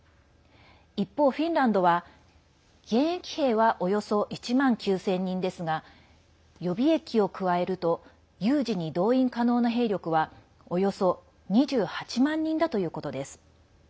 一方、フィンランドは現役兵はおよそ１万９０００人ですが予備役を加えると有事に動員可能な兵力はおよそ２８万人だということです。